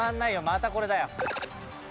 またこれだよ。